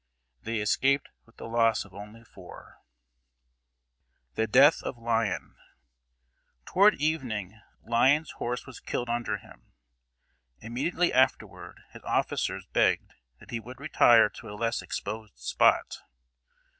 They escaped with the loss of only four. [Sidenote: THE DEATH OF LYON.] Toward evening Lyon's horse was killed under him. Immediately afterward, his officers begged that he would retire to a less exposed spot.